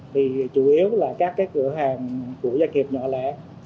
thì chủ yếu là các cái cửa hàng của gia kiệp nhỏ lẻ